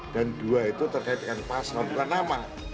dan dua itu terkaitkan pasno bukan nama